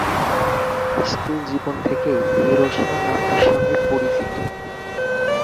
স্কুলজীবন থেকেই হিরোশিমা নামটির সঙ্গে পরিচিত।